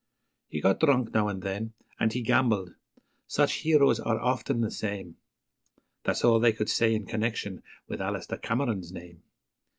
He got drunk now and then and he gambled (such heroes are often the same); That's all they could say in connection with Alister Cameron's name.